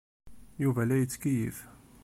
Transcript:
Yuba la yettkeyyif.